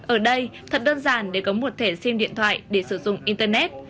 ở đây thật đơn giản để có một thể xem điện thoại để sử dụng internet